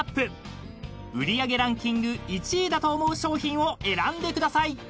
［売り上げランキング１位だと思う商品を選んでください］